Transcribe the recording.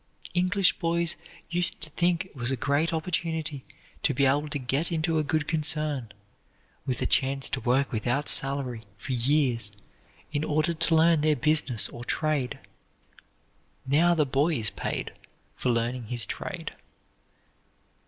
English boys used to think it was a great opportunity to be able to get into a good concern, with a chance to work without salary for years in order to learn their business or trade. Now the boy is paid for learning his trade.